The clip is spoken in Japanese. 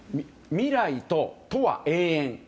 未来ととわ、永遠。